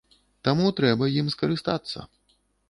Таму трэба ім скарыстацца.